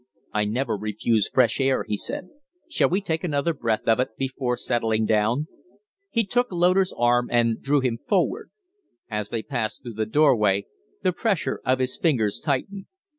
"I never refuse fresh air," he said. "Shall we take another breath of it before settling down?" He took Loder's arm and drew him forward. As they passed through the door way the pressure of his fingers tightened.